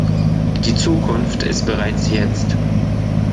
Die Zukunft ist bereits jetzt.